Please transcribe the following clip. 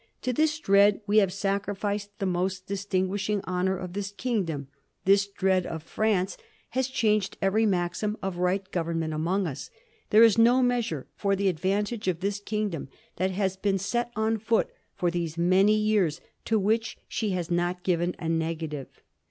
To this dread we have sacrificed the most distinguishing hon ors of this kingdom. This dread of France has changed 1739. ARGTLE'S ANECDOTE. 167 every maxim of right government among us. There is no measure for the advantage of this kingdom that has been set on foot for these many years to which she has not given a negative.